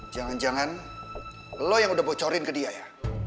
jangan jangan lo yang udah bocorin ke dia ya